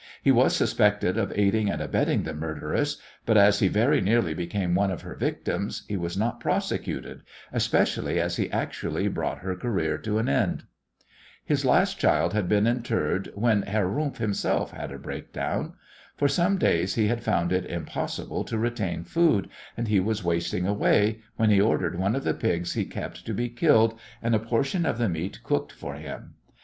He was suspected of aiding and abetting the murderess, but as he very nearly became one of her victims he was not prosecuted, especially as he actually brought her career to an end. His last child had just been interred when Herr Rumf himself had a breakdown. For some days he had found it impossible to retain food, and he was wasting away, when he ordered one of the pigs he kept to be killed and a portion of the meat cooked for him.